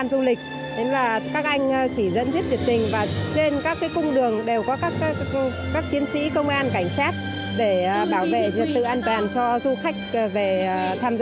cũng như là các hướng dẫn rất là tốt